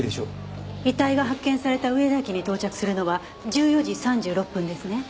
遺体が発見された上田駅に到着するのは１４時３６分ですね。